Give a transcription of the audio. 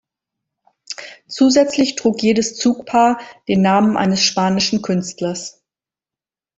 Zusätzlich trug jedes Zugpaar den Namen eines spanischen Künstlers.